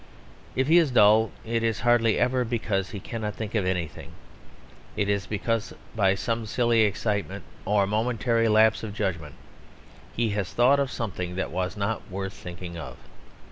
If he is dull it is hardly ever because he cannot think of anything; it is because, by some silly excitement or momentary lapse of judgment, he has thought of something that was not worth thinking of.